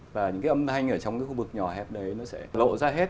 và những cái âm thanh ở trong cái khu vực nhỏ hẹp đấy nó sẽ lộ ra hết